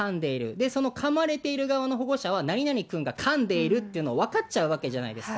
で、そのかまれている側の保護者は何々くんがかんでいるっていうのを分かっちゃうわけじゃないですか。